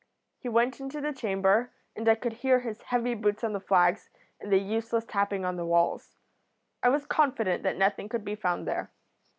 He went into the chamber, and I could hear his heavy boots on the flags and the useless tapping on the walls. I was confident that nothing could be found there.